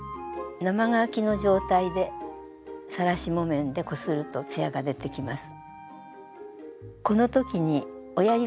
生乾きの状態でさらし木綿でこするとツヤがでてきます。